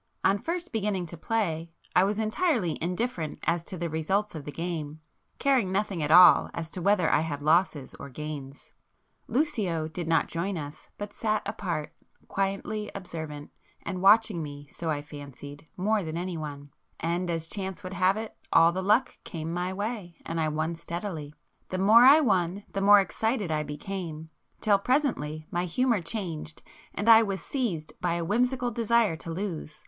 On first beginning to play I was entirely indifferent as to the results of the game, caring nothing at all as to whether I had losses or gains. Lucio did not join us, but sat apart, quietly observant, and watching me, so I fancied, more than anyone. And as chance would have it, all the luck came my way, and I won steadily. The more I won the more excited I became, till presently my humour changed and I was seized by a whimsical desire to lose.